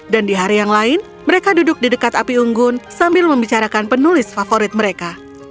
dan di hari yang lain mereka duduk di dekat api unggun sambil membicarakan penulis favorit mereka